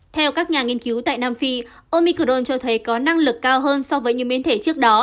theo các nhà nghiên cứu tại nam phi omicron cho thấy có năng lực cao hơn so với những biến thể trước đó